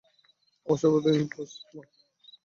আমার স্বভাবটা ইম্পার্সোন্যাল।